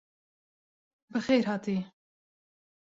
Bi xêr hatî.